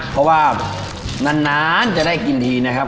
เพราะว่านานจะได้กินทีนะครับ